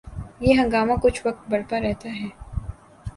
یہ ہنگامہ کچھ وقت برپا رہتا ہے۔